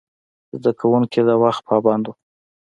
زده کوونکي د وخت پابند وو.